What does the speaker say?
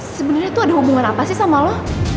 sebenarnya tuh ada hubungan apa sih sama lo